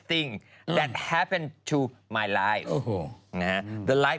ที่เกิดขึ้นในชีวิตของชีวิตของชีวิต